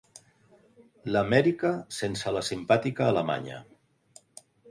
L'Amèrica sense la simpàtica alemanya.